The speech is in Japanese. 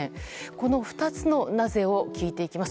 この２つのなぜを聞いていきます。